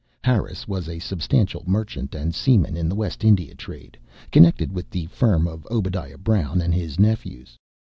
Harris was a substantial merchant and seaman in the West India trade, connected with the firm of Obadiah Brown and his nephews.